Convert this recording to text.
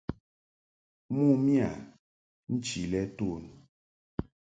Mo miya nchi lɛ ton.